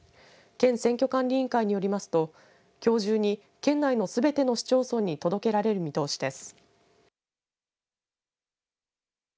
県選挙管理委員会によりますときょう中に県内のすべての市町村に届けられる見通しです。